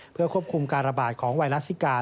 เพื่อควบคุมการระบาดของไวรัสซิกา